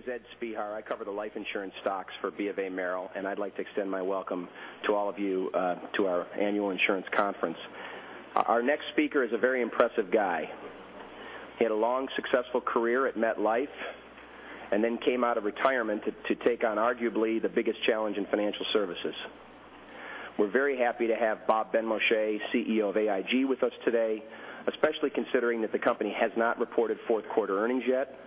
My name is Ed Spehar. I cover the life insurance stocks for B of A Merrill, I'd like to extend my welcome to all of you to our annual insurance conference. Our next speaker is a very impressive guy. He had a long, successful career at MetLife, then came out of retirement to take on arguably the biggest challenge in financial services. We're very happy to have Bob Benmosche, CEO of AIG, with us today, especially considering that the company has not reported fourth quarter earnings yet.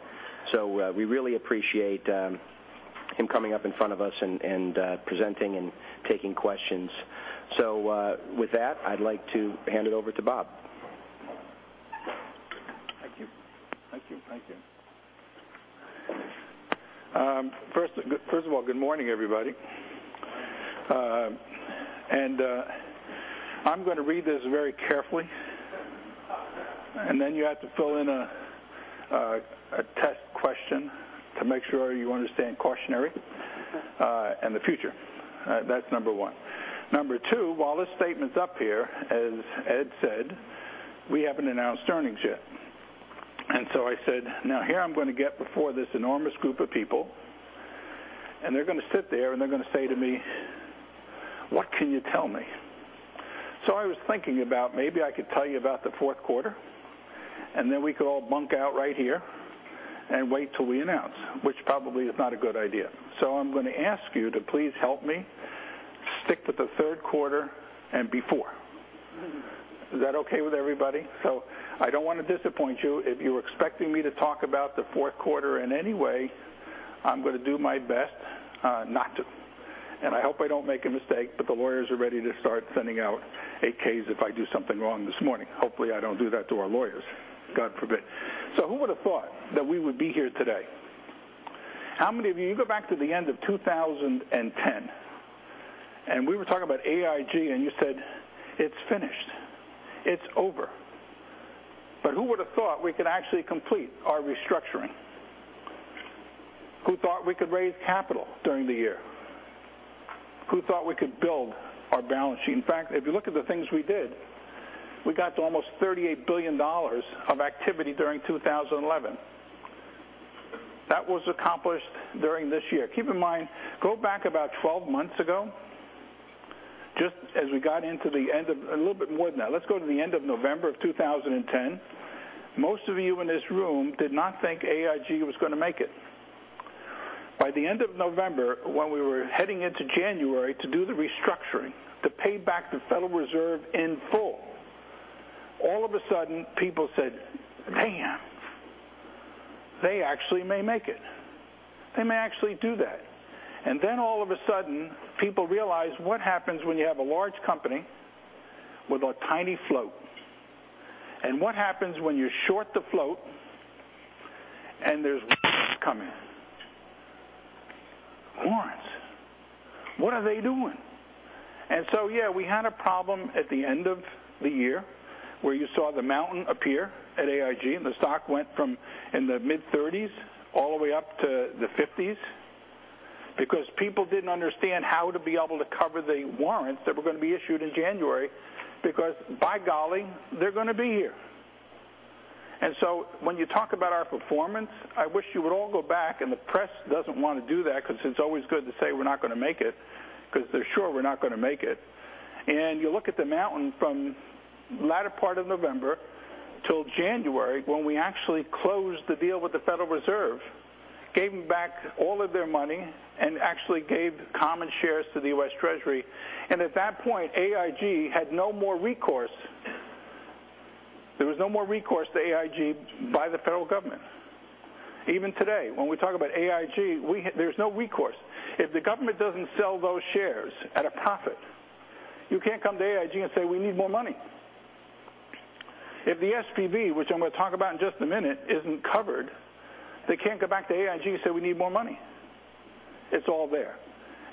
We really appreciate him coming up in front of us and presenting and taking questions. With that, I'd like to hand it over to Bob. Thank you. First of all, good morning, everybody. I'm going to read this very carefully, then you have to fill in a test question to make sure you understand cautionary and the future. That's number one. Number two, while this statement's up here, as Ed said, we haven't announced earnings yet. I said, now here I'm going to get before this enormous group of people, they're going to sit there and they're going to say to me, "What can you tell me?" I was thinking about maybe I could tell you about the fourth quarter, then we could all bunk out right here and wait till we announce, which probably is not a good idea. I'm going to ask you to please help me stick with the third quarter and before. Is that okay with everybody? I don't want to disappoint you. If you were expecting me to talk about the fourth quarter in any way, I'm going to do my best not to. I hope I don't make a mistake, the lawyers are ready to start sending out 8-Ks if I do something wrong this morning. Hopefully, I don't do that to our lawyers, God forbid. Who would've thought that we would be here today? How many of you go back to the end of 2010, we were talking about AIG, you said, "It's finished. It's over." Who would've thought we could actually complete our restructuring? Who thought we could raise capital during the year? Who thought we could build our balance sheet? In fact, if you look at the things we did, we got to almost $38 billion of activity during 2011. That was accomplished during this year. Keep in mind, go back about 12 months ago, just as we got into the end of a little bit more than that. Let's go to the end of November of 2010. Most of you in this room did not think AIG was going to make it. By the end of November, when we were heading into January to do the restructuring to pay back the Federal Reserve in full, all of a sudden people said, "Man, they actually may make it. They may actually do that." All of a sudden, people realized what happens when you have a large company with a tiny float. What happens when you short the float and there's come in. Warrants. What are they doing? Yeah, we had a problem at the end of the year where you saw the mountain appear at AIG, and the stock went from in the mid-30s all the way up to the 50s because people didn't understand how to be able to cover the warrants that were going to be issued in January because by golly, they're going to be here. When you talk about our performance, I wish you would all go back, and the press doesn't want to do that because it's always good to say we're not going to make it, because they're sure we're not going to make it. You look at the mountain from the latter part of November till January, when we actually closed the deal with the Federal Reserve, gave them back all of their money, and actually gave common shares to the U.S. Treasury. At that point, AIG had no more recourse. There was no more recourse to AIG by the federal government. Even today, when we talk about AIG, there's no recourse. If the government doesn't sell those shares at a profit, you can't come to AIG and say, "We need more money." If the SPV, which I'm going to talk about in just a minute, isn't covered, they can't come back to AIG and say, "We need more money." It's all there,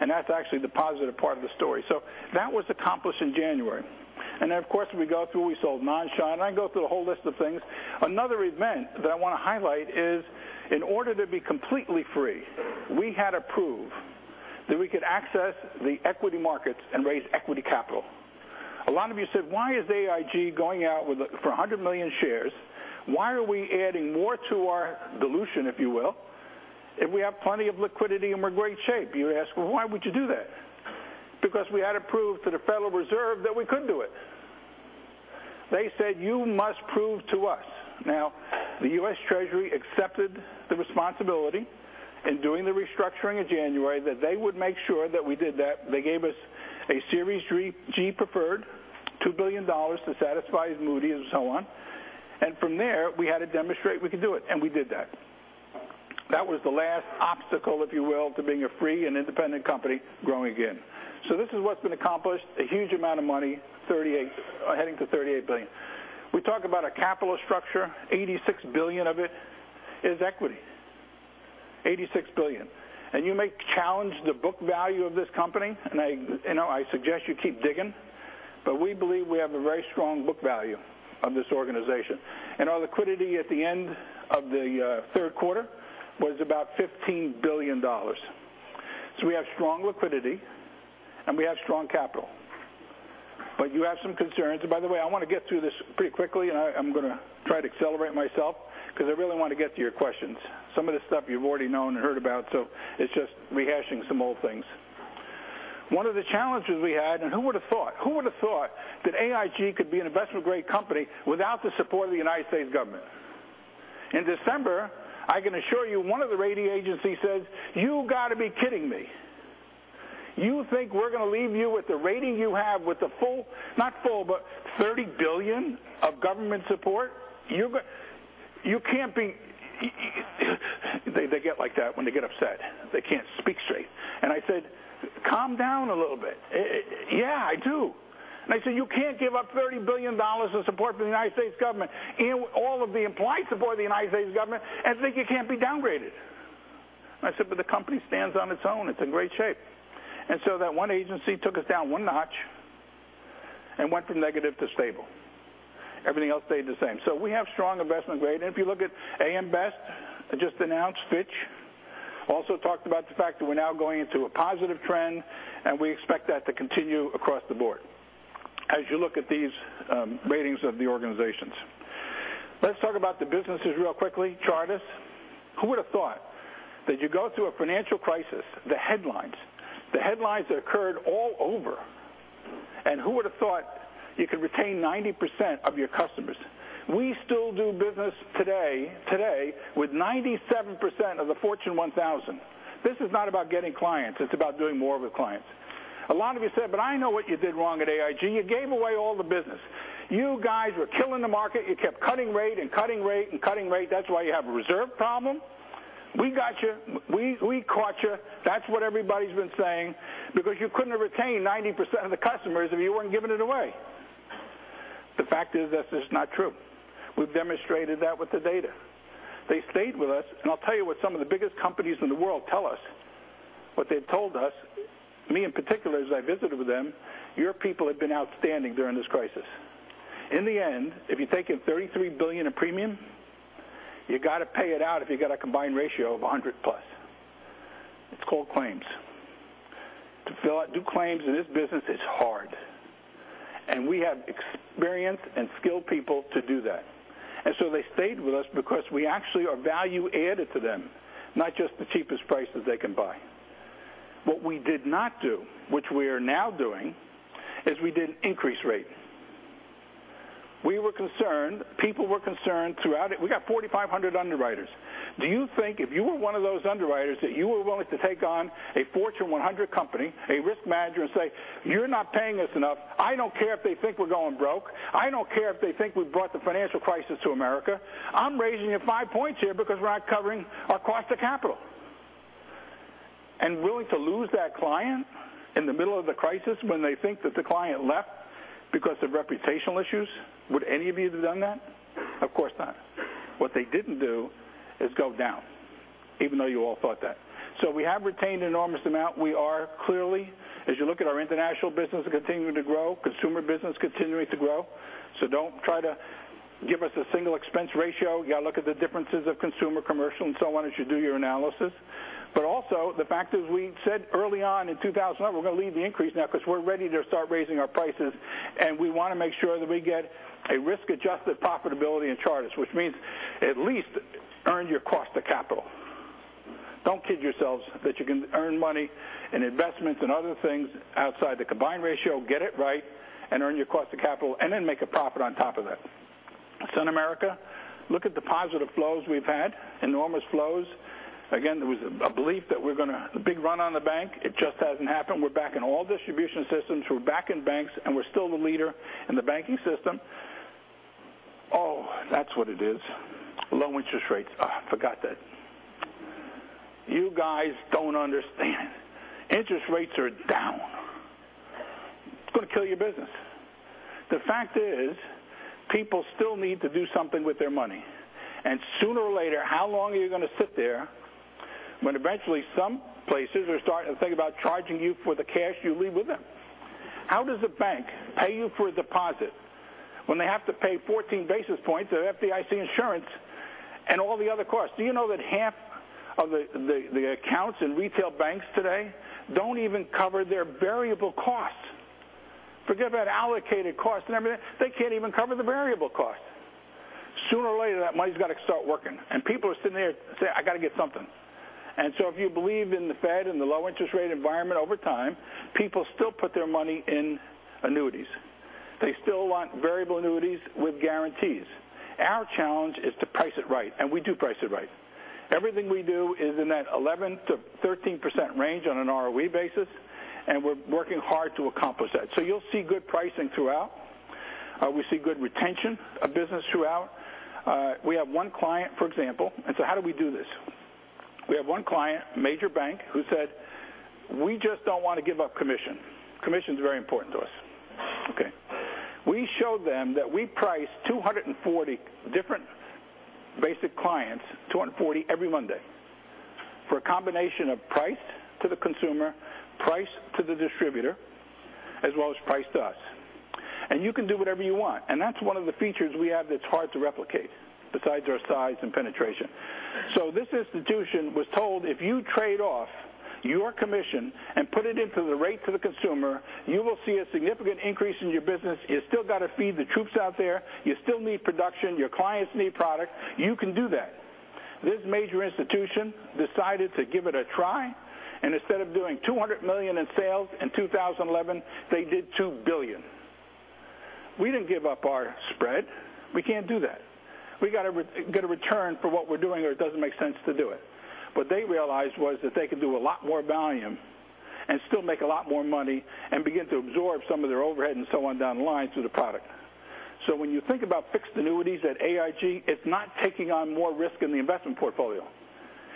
and that's actually the positive part of the story. That was accomplished in January. Then, of course, we go through, we sold Nan Shan. I can go through a whole list of things. Another event that I want to highlight is in order to be completely free, we had to prove that we could access the equity markets and raise equity capital. A lot of you said, "Why is AIG going out for 100 million shares? Why are we adding more to our dilution, if you will, if we have plenty of liquidity and we're in great shape?" You ask, "Well, why would you do that?" Because we had to prove to the Federal Reserve that we could do it. They said, "You must prove to us." Now, the U.S. Treasury accepted the responsibility in doing the restructuring in January that they would make sure that we did that. They gave us a Series G preferred, $2 billion to satisfy Moody's and so on. From there, we had to demonstrate we could do it, and we did that. That was the last obstacle, if you will, to being a free and independent company growing again. This is what's been accomplished, a huge amount of money, heading to $38 billion. We talk about our capital structure, $86 billion of it is equity, $86 billion. You may challenge the book value of this company, and I suggest you keep digging, but we believe we have a very strong book value of this organization. Our liquidity at the end of the third quarter was about $15 billion. We have strong liquidity, and we have strong capital. You have some concerns. By the way, I want to get through this pretty quickly, and I'm going to try to accelerate myself because I really want to get to your questions. Some of this stuff you've already known and heard about, so it's just rehashing some old things. One of the challenges we had, who would have thought? Who would have thought that AIG could be an investment-grade company without the support of the United States government? In December, I can assure you, one of the rating agencies said, "You've got to be kidding me. You think we're going to leave you with the rating you have with the full, not full, but $30 billion of government support? You can't be" They get like that when they get upset. They can't speak straight. I said, "Calm down a little bit. Yeah, I do." They said, "You can't give up $30 billion of support from the United States government and all of the implied support of the United States government and think you can't be downgraded." I said, "The company stands on its own. It's in great shape." That one agency took us down one notch and went from negative to stable. Everything else stayed the same. We have strong investment grade. If you look at AM Best, just announced, Fitch also talked about the fact that we're now going into a positive trend, and we expect that to continue across the board as you look at these ratings of the organizations. Let's talk about the businesses real quickly. Chartis, who would have thought that you go through a financial crisis, the headlines that occurred all over, and who would have thought you could retain 90% of your customers? We still do business today with 97% of the Fortune 1000. This is not about getting clients. It's about doing more with clients. A lot of you said, "But I know what you did wrong at AIG. You gave away all the business. You guys were killing the market. You kept cutting rate and cutting rate and cutting rate. That's why you have a reserve problem. We got you. We caught you." That's what everybody's been saying because you couldn't have retained 90% of the customers if you weren't giving it away. The fact is that that's just not true. We've demonstrated that with the data. They stayed with us, and I'll tell you what some of the biggest companies in the world tell us. What they've told us, me in particular, as I visited with them, "Your people have been outstanding during this crisis." In the end, if you take in $33 billion in premium, you got to pay it out if you've got a combined ratio of 100 plus. It's called claims. To fill out due claims in this business is hard, and we have experienced and skilled people to do that. They stayed with us because we actually are value added to them, not just the cheapest prices they can buy. What we did not do, which we are now doing, is we didn't increase rate. We were concerned. People were concerned throughout it. We got 4,500 underwriters. Do you think if you were one of those underwriters that you were willing to take on a Fortune 100 company, a risk manager, and say, "You're not paying us enough. I don't care if they think we're going broke. I don't care if they think we brought the financial crisis to America. I'm raising it five points here because we're not covering our cost of capital." And willing to lose that client in the middle of the crisis when they think that the client left because of reputational issues? Would any of you have done that? Of course not. What they didn't do is go down, even though you all thought that. We have retained an enormous amount. We are clearly, as you look at our international business continuing to grow, consumer business continuing to grow. Don't try to give us a single expense ratio. You got to look at the differences of consumer, commercial, and so on as you do your analysis. The fact is we said early on in 2011, we're going to leave the increase now because we're ready to start raising our prices, and we want to make sure that we get a risk-adjusted profitability in Chartis, which means at least earn your cost of capital. Don't kid yourselves that you can earn money in investments and other things outside the combined ratio. Get it right and earn your cost of capital, and then make a profit on top of that. SunAmerica, look at the positive flows we've had. Enormous flows. Again, there was a belief that we're going to a big run on the bank. It just hasn't happened. We're back in all distribution systems. We're back in banks, and we're still the leader in the banking system. Oh, that's what it is. Low interest rates. I forgot that. You guys don't understand. Interest rates are down. It's going to kill your business. The fact is, people still need to do something with their money. Sooner or later, how long are you going to sit there when eventually some places are starting to think about charging you for the cash you leave with them? How does a bank pay you for a deposit when they have to pay 14 basis points of FDIC insurance and all the other costs? Do you know that half of the accounts in retail banks today don't even cover their variable costs? Forget about allocated costs and everything. They can't even cover the variable costs. Sooner or later, that money's got to start working, and people are sitting there saying, "I got to get something." If you believe in the Fed and the low interest rate environment over time, people still put their money in annuities. They still want variable annuities with guarantees. Our challenge is to price it right, and we do price it right. Everything we do is in that 11%-13% range on an ROE basis, and we're working hard to accomplish that. You'll see good pricing throughout. We see good retention of business throughout. We have one client, for example, how do we do this? We have one client, major bank, who said, "We just don't want to give up commission. Commission is very important to us." Okay. We showed them that we price 240 different basic clients, 240 every Monday, for a combination of price to the consumer, price to the distributor, as well as price to us. You can do whatever you want. That's one of the features we have that's hard to replicate besides our size and penetration. This institution was told, if you trade off your commission and put it into the rate to the consumer, you will see a significant increase in your business. You still got to feed the troops out there. You still need production. Your clients need product. You can do that. This major institution decided to give it a try, and instead of doing $200 million in sales in 2011, they did $2 billion. We didn't give up our spread. We can't do that. We got to get a return for what we're doing, or it doesn't make sense to do it. What they realized was that they could do a lot more volume and still make a lot more money and begin to absorb some of their overhead and so on down the line through the product. When you think about fixed annuities at AIG, it's not taking on more risk in the investment portfolio.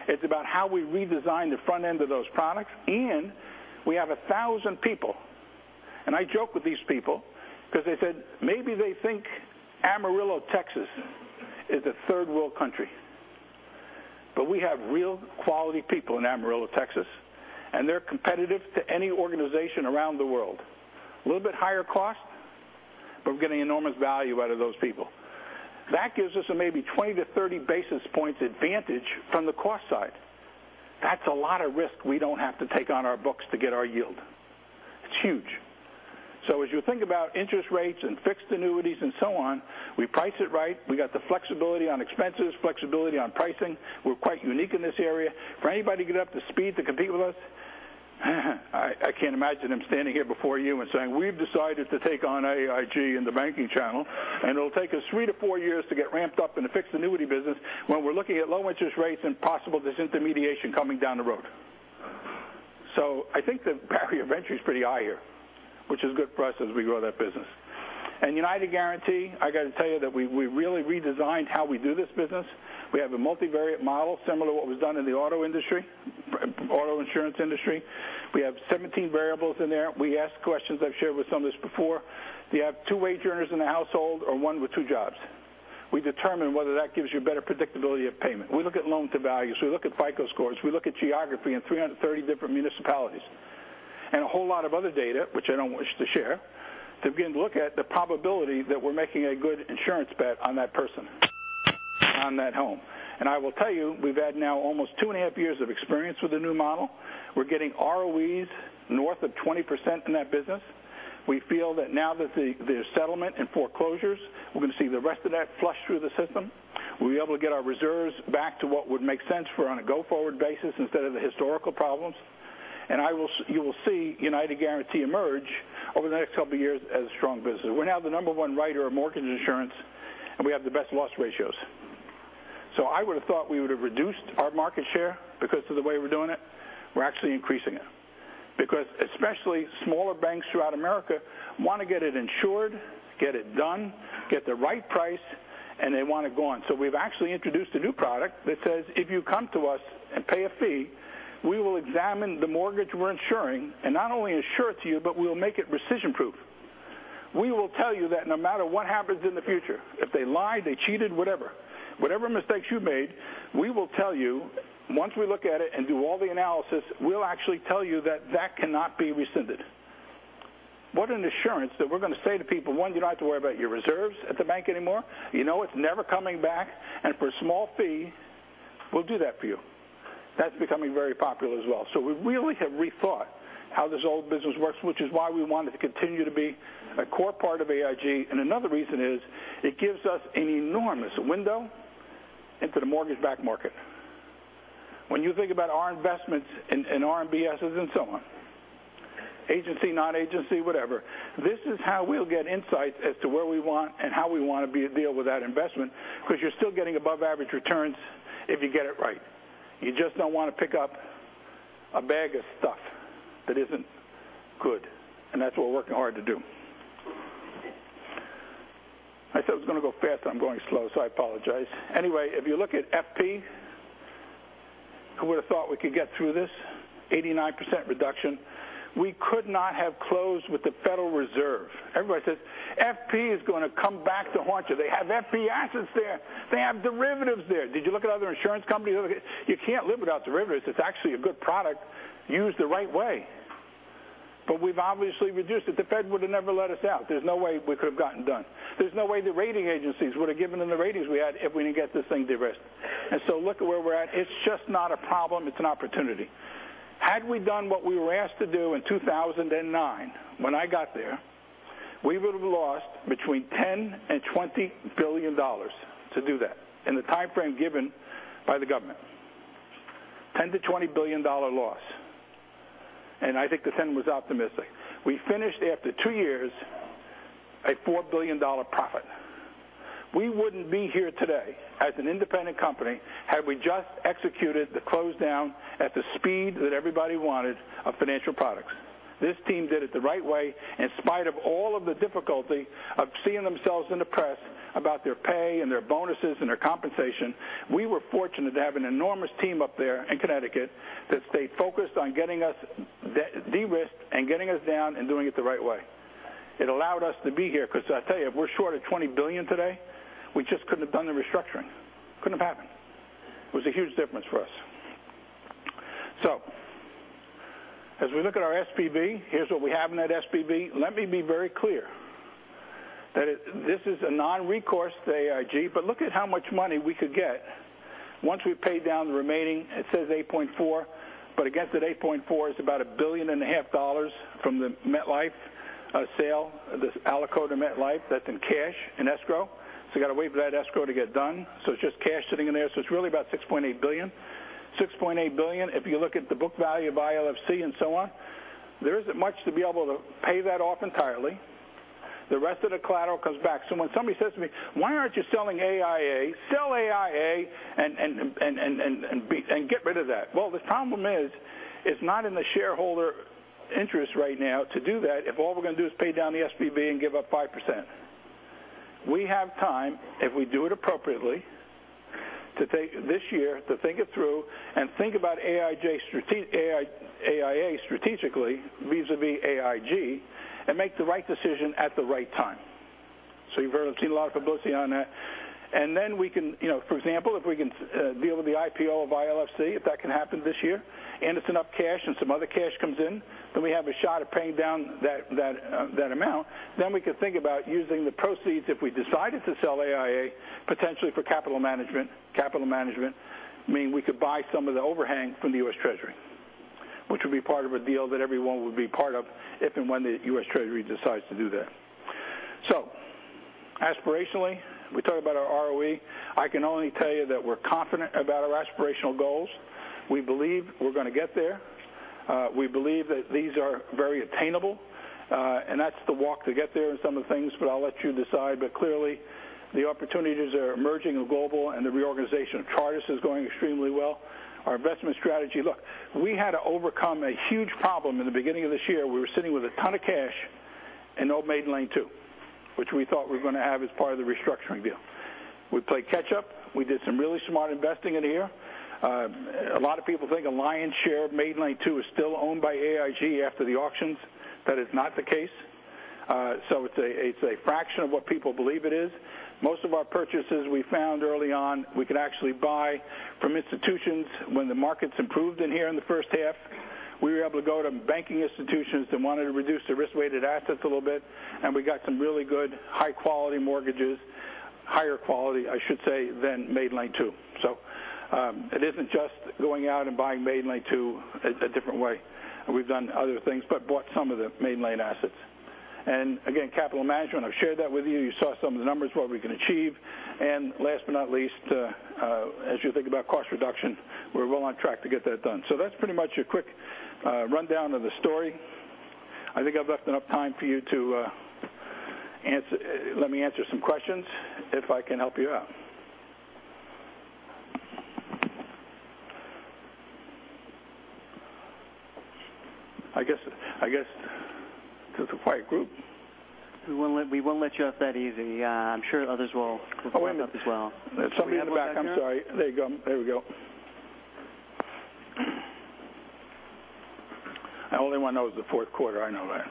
It's about how we redesign the front end of those products. We have 1,000 people, and I joke with these people because they said, maybe they think Amarillo, Texas is a third-world country. We have real quality people in Amarillo, Texas, and they're competitive to any organization around the world. A little bit higher cost, but we're getting enormous value out of those people. That gives us a maybe 20 to 30 basis points advantage from the cost side. That's a lot of risk we don't have to take on our books to get our yield. It's huge. As you think about interest rates and fixed annuities and so on, we price it right. We got the flexibility on expenses, flexibility on pricing. We're quite unique in this area. For anybody to get up to speed to compete with us, I can't imagine them standing here before you and saying, "We've decided to take on AIG in the banking channel, and it'll take us three to four years to get ramped up in the fixed annuity business when we're looking at low interest rates and possible disintermediation coming down the road." I think the barrier of entry is pretty high here, which is good for us as we grow that business. United Guaranty, I got to tell you that we really redesigned how we do this business. We have a multivariate model, similar to what was done in the auto insurance industry. We have 17 variables in there. We ask questions. I've shared with some of this before. Do you have two wage earners in the household or one with two jobs? We determine whether that gives you better predictability of payment. We look at loan to values. We look at FICO scores. We look at geography in 330 different municipalities. A whole lot of other data, which I don't wish to share, to begin to look at the probability that we're making a good insurance bet on that person, on that home. I will tell you, we've had now almost two and a half years of experience with the new model. We're getting ROEs north of 20% in that business. We feel that now that there's settlement and foreclosures, we're going to see the rest of that flush through the system. We'll be able to get our reserves back to what would make sense for on a go-forward basis instead of the historical problems. You will see United Guaranty emerge over the next couple of years as a strong business. We're now the number one writer of mortgage insurance, and we have the best loss ratios. I would have thought we would have reduced our market share because of the way we're doing it. We're actually increasing it because especially smaller banks throughout America want to get it insured, get it done, get the right price, and they want to go on. We've actually introduced a new product that says if you come to us and pay a fee, we will examine the mortgage we're insuring, and not only insure it to you, but we will make it rescission proof. We will tell you that no matter what happens in the future, if they lied, they cheated, whatever mistakes you made, we will tell you, once we look at it and do all the analysis, we'll actually tell you that that cannot be rescinded. What an assurance that we're going to say to people, one, you don't have to worry about your reserves at the bank anymore. You know it's never coming back, and for a small fee, we'll do that for you. That's becoming very popular as well. We really have rethought how this old business works, which is why we want it to continue to be a core part of AIG. Another reason is it gives us an enormous window into the mortgage-backed market. When you think about our investments in RMBSs and so on, agency, non-agency, whatever, this is how we'll get insights as to where we want and how we want to be able to deal with that investment because you're still getting above-average returns if you get it right. You just don't want to pick up a bag of stuff that isn't good, and that's what we're working hard to do. I said I was going to go fast. I'm going slow, so I apologize. Anyway, if you look at FP, who would have thought we could get through this? 89% reduction. We could not have closed with the Federal Reserve. Everybody says, "FP is going to come back to haunt you. They have FP assets there. They have derivatives there. Did you look at other insurance companies?" You can't live without derivatives. It's actually a good product used the right way. We've obviously reduced it. The Fed would have never let us out. There's no way we could have gotten done. There's no way the rating agencies would have given them the ratings we had if we didn't get this thing de-risked. Look at where we're at. It's just not a problem. It's an opportunity. Had we done what we were asked to do in 2009 when I got there, we would have lost between $10 billion and $20 billion to do that in the timeframe given by the government. $10 billion to $20 billion loss. I think the ten was optimistic. We finished, after two years, a $4 billion profit. We wouldn't be here today as an independent company had we just executed the close down at the speed that everybody wanted of Financial Products. This team did it the right way. In spite of all of the difficulty of seeing themselves in the press about their pay and their bonuses and their compensation, we were fortunate to have an enormous team up there in Connecticut that stayed focused on getting us de-risked and getting us down and doing it the right way. It allowed us to be here because I tell you, if we're short of $20 billion today, we just couldn't have done the restructuring. Couldn't have happened. It was a huge difference for us. As we look at our SPV, here's what we have in that SPV. Let me be very clear that this is a non-recourse to AIG, but look at how much money we could get once we've paid down the remaining, it says $8.4, but against that $8.4 is about $1.5 billion from the MetLife sale, this allocated to MetLife, that's in cash, in escrow. You've got to wait for that escrow to get done. It's just cash sitting in there. It's really about $6.8 billion. $6.8 billion, if you look at the book value of ILFC and so on, there isn't much to be able to pay that off entirely. The rest of the collateral comes back. When somebody says to me, "Why aren't you selling AIA? Sell AIA and get rid of that." The problem is, it's not in the shareholder interest right now to do that if all we're going to do is pay down the SPV and give up 5%. We have time, if we do it appropriately, to take this year to think it through and think about AIA strategically vis-a-vis AIG and make the right decision at the right time. You've heard or seen a lot of publicity on that. We can, for example, if we can deal with the IPO of ILFC, if that can happen this year, and it's enough cash and some other cash comes in, we have a shot at paying down that amount. We could think about using the proceeds if we decided to sell AIA, potentially for capital management, meaning we could buy some of the overhang from the U.S. Treasury, which would be part of a deal that everyone would be part of if and when the U.S. Treasury decides to do that. Aspirationally, we talk about our ROE. I can only tell you that we're confident about our aspirational goals. We believe we're going to get there. We believe that these are very attainable, and that's the walk to get there in some of the things, but I'll let you decide. Clearly, the opportunities are emerging in Global, and the reorganization of Chartis is going extremely well. Our investment strategy, look, we had to overcome a huge problem in the beginning of this year. We were sitting with a ton of cash and no Maiden Lane II, which we thought we were going to have as part of the restructuring deal. We played catch up. We did some really smart investing in here. A lot of people think a lion's share of Maiden Lane II is still owned by AIG after the auctions. That is not the case. It's a fraction of what people believe it is. Most of our purchases we found early on, we could actually buy from institutions when the markets improved in here in the first half. We were able to go to banking institutions that wanted to reduce their risk-weighted assets a little bit, and we got some really good, high-quality mortgages, higher quality, I should say, than Maiden Lane II. It isn't just going out and buying Maiden Lane II a different way. We've done other things but bought some of the Maiden Lane assets. Again, capital management, I've shared that with you. You saw some of the numbers, what we can achieve. Last but not least, as you think about cost reduction, we're well on track to get that done. That's pretty much a quick rundown of the story. I think I've left enough time for you to let me answer some questions if I can help you out. I guess it's a quiet group. We won't let you off that easy. I'm sure others will follow up as well. Oh, wait a minute. There's somebody in the back. I'm sorry. There you go. There we go. The only one that knows the fourth quarter, I know that.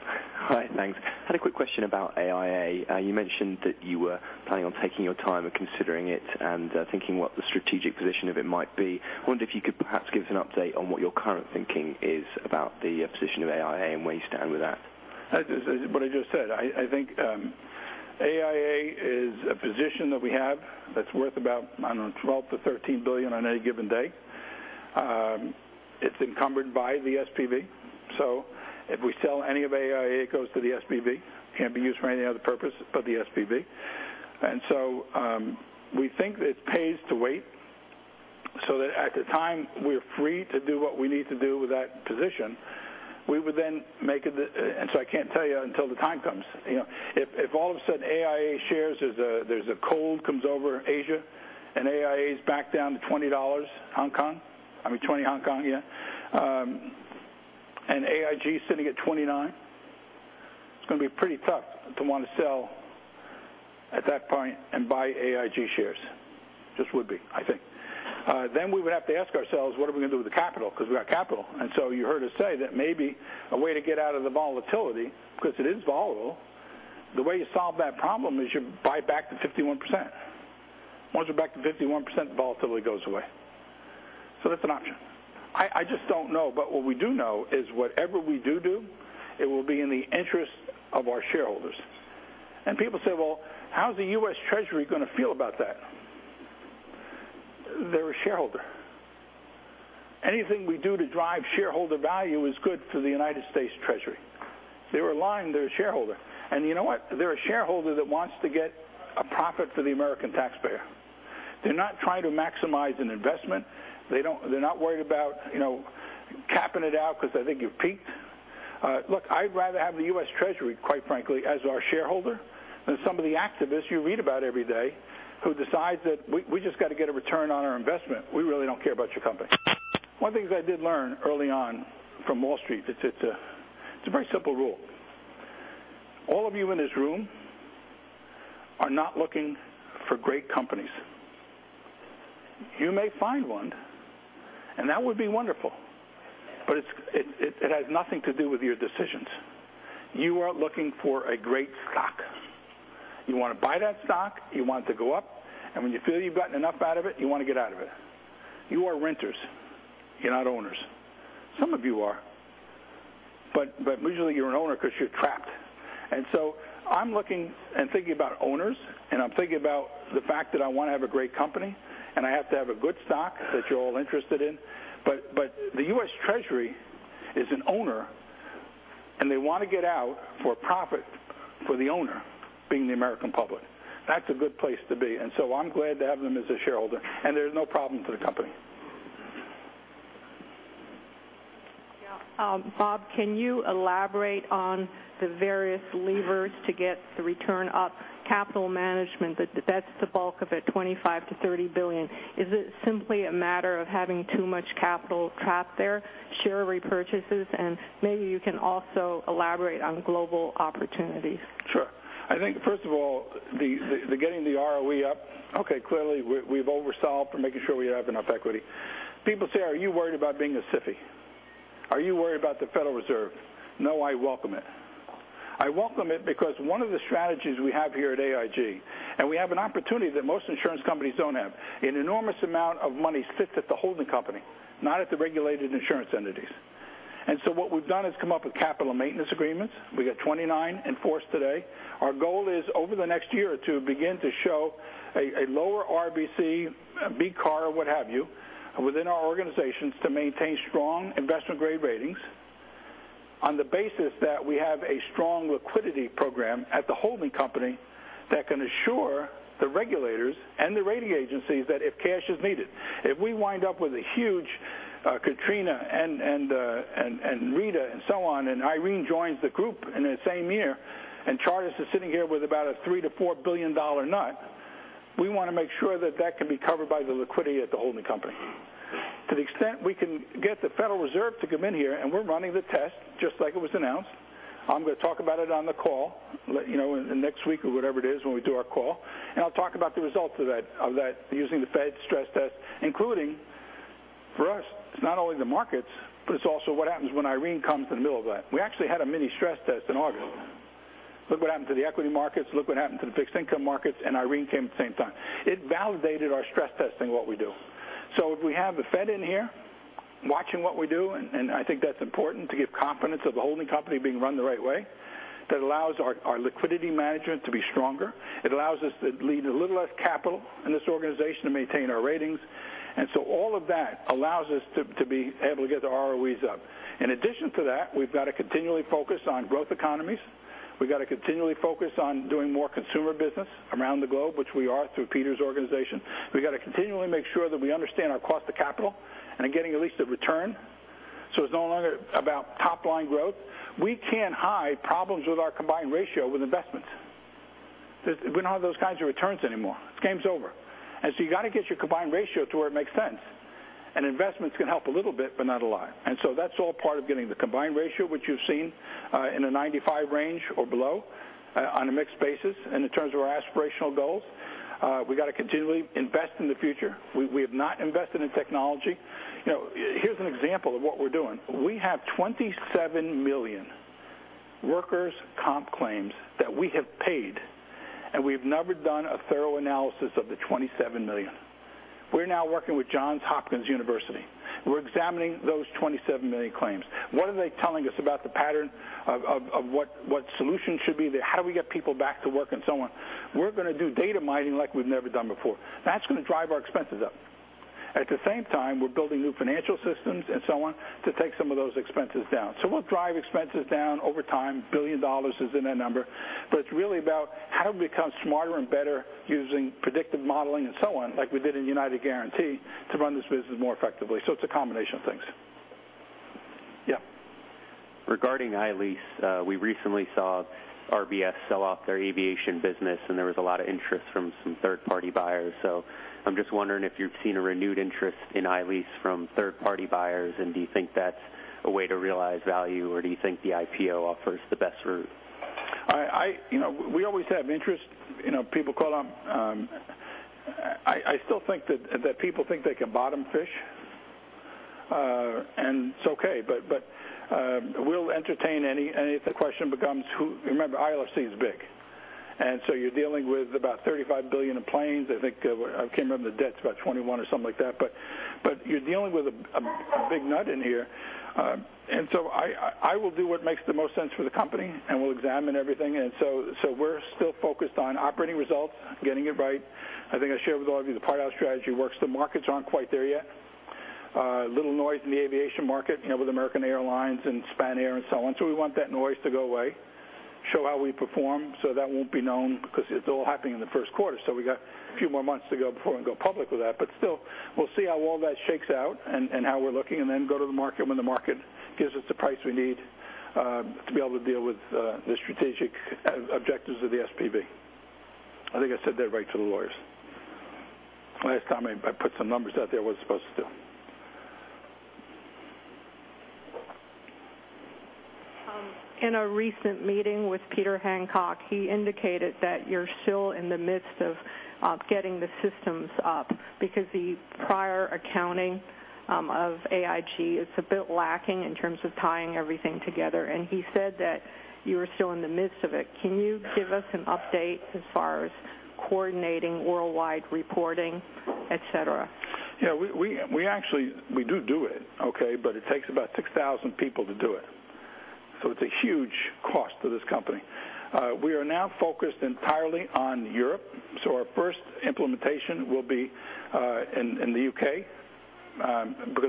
Hi, thanks. Had a quick question about AIA. You mentioned that you were planning on taking your time and considering it and thinking what the strategic position of it might be. I wonder if you could perhaps give us an update on what your current thinking is about the position of AIA and where you stand with that. What I just said, I think AIA is a position that we have that's worth about, I don't know, $12 billion-$13 billion on any given day. It's encumbered by the SPV. If we sell any of AIA, it goes to the SPV, can't be used for any other purpose but the SPV. We think it pays to wait so that at the time we're free to do what we need to do with that position, I can't tell you until the time comes. If all of a sudden AIA shares, there's a cold comes over Asia and AIA is back down to 20 dollars, I mean, 20 Hong Kong, yeah, and AIG is sitting at $29, it's going to be pretty tough to want to sell at that point and buy AIG shares. Just would be, I think. We would have to ask ourselves, what are we going to do with the capital? Because we got capital. You heard us say that maybe a way to get out of the volatility, because it is volatile, the way you solve that problem is you buy back the 51%. Once you're back to 51%, volatility goes away. That's an option. I just don't know. What we do do, it will be in the interest of our shareholders. People say, "Well, how's the U.S. Department of the Treasury going to feel about that?" They're a shareholder. Anything we do to drive shareholder value is good for the U.S. Department of the Treasury. They're aligned, they're a shareholder. You know what? They're a shareholder that wants to get a profit for the American taxpayer. They're not trying to maximize an investment. They're not worried about capping it out because they think you've peaked. Look, I'd rather have the U.S. Department of the Treasury, quite frankly, as our shareholder than some of the activists you read about every day who decide that, "We just got to get a return on our investment. We really don't care about your company." One of the things I did learn early on from Wall Street, it's a very simple rule. All of you in this room are not looking for great companies. You may find one, and that would be wonderful. It has nothing to do with your decisions. You are looking for a great stock. You want to buy that stock, you want it to go up, and when you feel you've gotten enough out of it, you want to get out of it. You are renters. You're not owners. Some of you are, usually, you're an owner because you're trapped. I'm looking and thinking about owners, and I'm thinking about the fact that I want to have a great company, and I have to have a good stock that you're all interested in. The U.S. Department of the Treasury is an owner, and they want to get out for profit for the owner, being the American public. That's a good place to be. I'm glad to have them as a shareholder, and there's no problem for the company. Yeah. Bob, can you elaborate on the various levers to get the return up? Capital management, that's the bulk of it, $25 billion-$30 billion. Is it simply a matter of having too much capital trapped there, share repurchases? Maybe you can also elaborate on Global opportunities. Sure. I think, first of all, the getting the ROE up. Okay, clearly, we've over-solved for making sure we have enough equity. People say, "Are you worried about being a SIFI? Are you worried about the Federal Reserve?" No, I welcome it. I welcome it because one of the strategies we have here at AIG, we have an opportunity that most insurance companies don't have. An enormous amount of money sits at the holding company, not at the regulated insurance entities. What we've done is come up with capital maintenance agreements. We've got 29 in force today. Our goal is, over the next year or two, begin to show a lower RBC, BCAR, what have you, within our organizations to maintain strong investment-grade ratings on the basis that we have a strong liquidity program at the holding company that can assure the regulators and the rating agencies that if cash is needed, if we wind up with a huge Hurricane Katrina and Hurricane Rita and so on, Hurricane Irene joins the group in the same year, Chartis is sitting here with about a $3 billion-$4 billion nut, we want to make sure that that can be covered by the liquidity at the holding company. To the extent we can get the Federal Reserve to come in here, we're running the test, just like it was announced. I'm going to talk about it on the call, next week or whatever it is when we do our call, I'll talk about the results of that using the Fed stress test, including for us, it's not only the markets, but it's also what happens when Hurricane Irene comes in the middle of that. We actually had a mini stress test in August. Look what happened to the equity markets, look what happened to the fixed income markets, Hurricane Irene came at the same time. It validated our stress testing, what we do. If we have the Fed in here watching what we do, I think that's important to give confidence of the holding company being run the right way, that allows our liquidity management to be stronger. It allows us to lead a little less capital in this organization to maintain our ratings. All of that allows us to be able to get the ROEs up. In addition to that, we've got to continually focus on growth economies. We've got to continually focus on doing more consumer business around the globe, which we are through Peter's organization. We got to continually make sure that we understand our cost of capital and are getting at least a return. It's no longer about top-line growth. We can't hide problems with our combined ratio with investment. We don't have those kinds of returns anymore. This game's over. You got to get your combined ratio to where it makes sense. Investments can help a little bit, but not a lot. That's all part of getting the combined ratio, which you've seen in a 95 range or below on a mixed basis. In terms of our aspirational goals, we got to continually invest in the future. We have not invested in technology. Here's an example of what we're doing. We have 27 million workers' comp claims that we have paid, and we have never done a thorough analysis of the 27 million. We're now working with Johns Hopkins University. We're examining those 27 million claims. What are they telling us about the pattern of what solutions should be there? How do we get people back to work and so on? We're going to do data mining like we've never done before. That's going to drive our expenses up. At the same time, we're building new financial systems and so on to take some of those expenses down. We'll drive expenses down over time. $1 billion is in that number. It's really about how do we become smarter and better using predictive modeling and so on, like we did in United Guaranty, to run this business more effectively. It's a combination of things. Yeah. Regarding ILFC, we recently saw RBS sell off their aviation business, there was a lot of interest from some third-party buyers. I'm just wondering if you've seen a renewed interest in ILFC from third-party buyers, and do you think that's a way to realize value, or do you think the IPO offers the best route? We always have interest. People call up. I still think that people think they can bottom fish, and it's okay. We'll entertain any. If the question becomes who. Remember, ILFC is big. You're dealing with about $35 billion in planes. I cannot remember the debts, about $21 billion or something like that. You're dealing with a big nut in here. I will do what makes the most sense for the company, and we'll examine everything. We're still focused on operating results, getting it right. I think I shared with all of you the part of our strategy works. The markets aren't quite there yet. A little noise in the aviation market, with American Airlines and Spanair and so on. We want that noise to go away, show how we perform. That won't be known because it's all happening in the first quarter. We got a few more months to go before we go public with that. We'll see how all that shakes out and how we're looking and then go to the market when the market gives us the price we need to be able to deal with the strategic objectives of the SPV. I think I said that right to the lawyers. Last time, I put some numbers out there I wasn't supposed to. In a recent meeting with Peter Hancock, he indicated that you're still in the midst of getting the systems up because the prior accounting of AIG is a bit lacking in terms of tying everything together. He said that you are still in the midst of it. Can you give us an update as far as coordinating worldwide reporting, et cetera? Yeah. We do it, okay? It takes about 6,000 people to do it. It's a huge cost to this company. We are now focused entirely on Europe. Our first implementation will be in the U.K.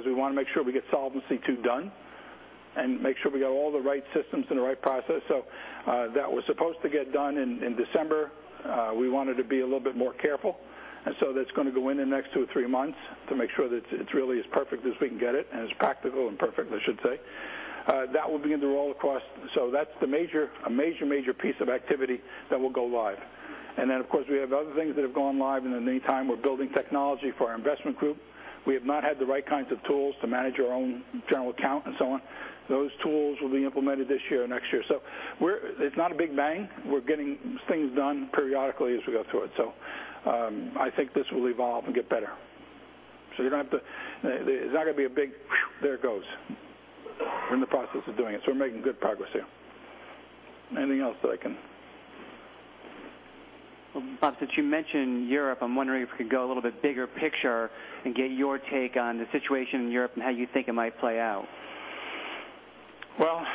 We want to make sure we get Solvency II done and make sure we got all the right systems and the right process. That was supposed to get done in December. We wanted to be a little bit more careful. That's going to go in the next two or three months to make sure that it's really as perfect as we can get it, and as practical and perfect, I should say. That will begin to roll across. That's a major piece of activity that will go live. Of course, we have other things that have gone live. In the meantime, we're building technology for our investment group. We have not had the right kinds of tools to manage our own general account and so on. Those tools will be implemented this year or next year. It's not a big bang. We're getting things done periodically as we go through it. I think this will evolve and get better. It's not going to be a big there it goes. We're in the process of doing it, so we're making good progress here. Anything else that I can? Well, Bob, since you mentioned Europe, I'm wondering if we could go a little bit bigger picture and get your take on the situation in Europe and how you think it might play out. Well,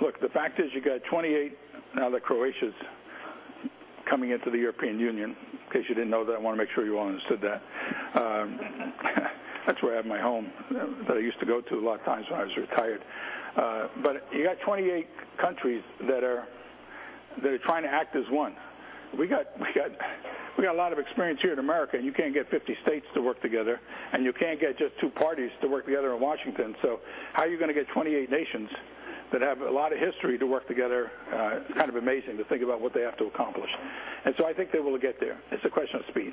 look, the fact is you got 28 now that Croatia's coming into the European Union, in case you didn't know that, I want to make sure you all understood that. That's where I have my home, that I used to go to a lot of times when I was retired. You got 28 countries that are trying to act as one. We got a lot of experience here in America, and you can't get 50 states to work together, and you can't get just two parties to work together in Washington. How are you going to get 28 nations that have a lot of history to work together? Kind of amazing to think about what they have to accomplish. I think they will get there. It's a question of speed,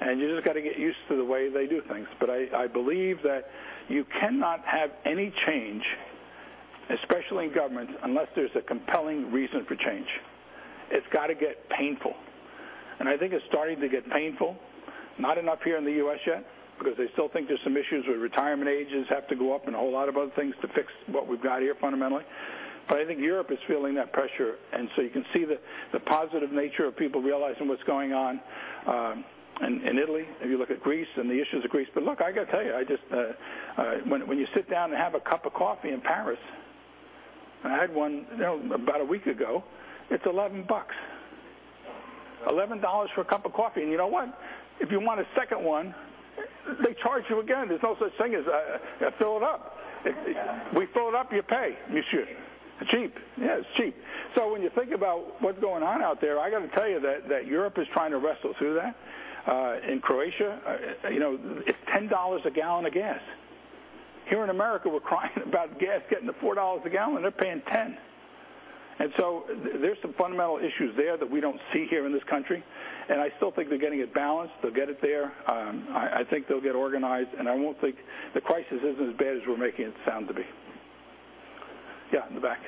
and you just got to get used to the way they do things. I believe that you cannot have any change, especially in government, unless there's a compelling reason for change. It's got to get painful. I think it's starting to get painful. Not enough here in the U.S. yet, because they still think there's some issues with retirement ages have to go up and a whole lot of other things to fix what we've got here fundamentally. I think Europe is feeling that pressure, you can see the positive nature of people realizing what's going on in Italy, if you look at Greece and the issues of Greece. Look, I got to tell you, when you sit down and have a cup of coffee in Paris, I had one about a week ago, it's $11. $11 for a cup of coffee. You know what? If you want a second one, they charge you again. There's no such thing as a fill it up. We fill it up, you pay. It's cheap. It's cheap. Yeah, it's cheap. When you think about what's going on out there, I got to tell you that Europe is trying to wrestle through that. In Croatia, it's $10 a gallon of gas. Here in America, we're crying about gas getting to $4 a gallon. They're paying $10. There's some fundamental issues there that we don't see here in this country, and I still think they're getting it balanced. They'll get it there. I think they'll get organized, and I want to think the crisis isn't as bad as we're making it sound to be. Yeah, in the back.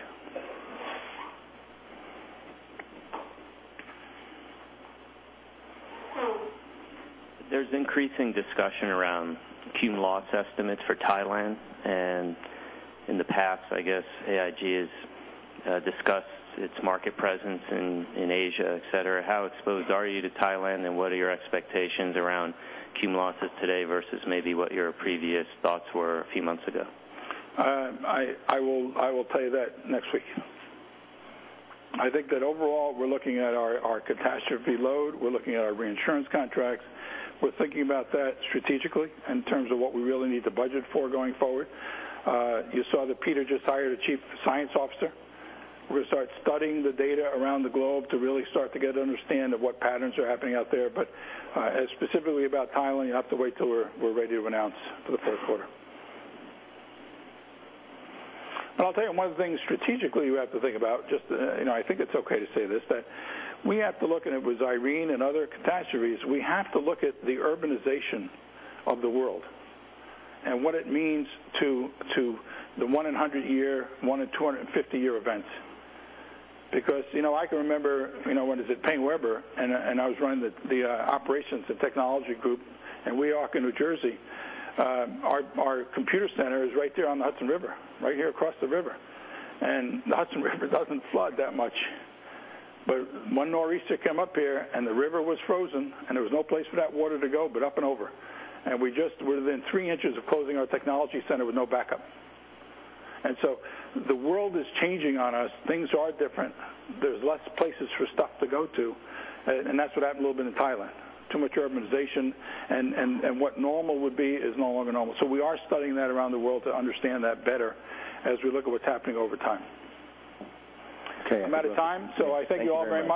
There's increasing discussion around cumulative loss estimates for Thailand. In the past, I guess AIG has discussed its market presence in Asia, et cetera. How exposed are you to Thailand, and what are your expectations around cumulative losses today versus maybe what your previous thoughts were a few months ago? I will tell you that next week. I think that overall, we're looking at our catastrophe load. We're looking at our reinsurance contracts. We're thinking about that strategically in terms of what we really need to budget for going forward. You saw that Peter just hired a chief science officer. We're going to start studying the data around the globe to really start to get an understanding of what patterns are happening out there. Specifically about Thailand, you'll have to wait till we're ready to announce for the fourth quarter. I'll tell you one of the things strategically you have to think about, I think it's okay to say this, that we have to look at it with Irene and other catastrophes. We have to look at the urbanization of the world and what it means to the one in 100-year, one in 250-year events. I can remember when I was at PaineWebber, and I was running the operations and technology group in Weehawken, New Jersey. Our computer center is right there on the Hudson River, right here across the river, and the Hudson River doesn't flood that much. One nor'easter came up here, and the river was frozen, and there was no place for that water to go but up and over. We just were within three inches of closing our technology center with no backup. The world is changing on us. Things are different. There's less places for stuff to go to, and that's what happened a little bit in Thailand. Too much urbanization. What normal would be is no longer normal. We are studying that around the world to understand that better as we look at what's happening over time. Okay. I'm out of time. I thank you all very much.